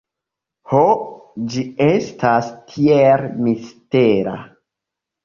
Ho, ĝi estas tiel mistera